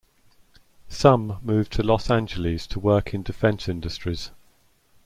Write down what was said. Some moved to Los Angeles to work in defense industries.